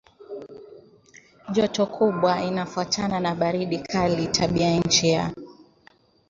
joto kubwa inafuatana na baridi kali Tabianchi ya